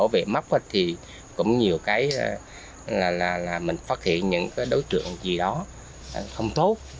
nhưng khi mà đi bảo vệ mốc thì cũng nhiều cái là mình phát hiện những đối tượng gì đó không tốt